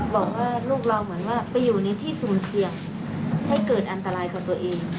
บอกว่าลูกเราเหมือนว่าไปอยู่ในที่สุ่มเสี่ยงให้เกิดอันตรายกับตัวเอง